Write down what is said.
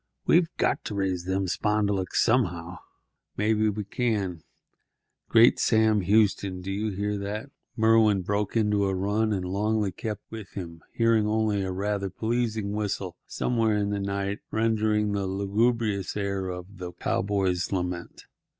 We've got to raise them spondulicks somehow. Maybe we can—Great Sam Houston! do you hear that?" Merwin broke into a run, and Longley kept with him, hearing only a rather pleasing whistle somewhere in the night rendering the lugubrious air of "The Cowboy's Lament."